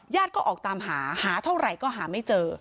ก็ออกตามหาหาเท่าไหร่ก็หาไม่เจอ